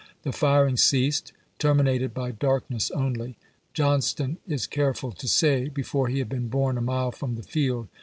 The firing ceased, "termi nated by darkness only," Johnston is careful to say, before he had been borne a mile from the field.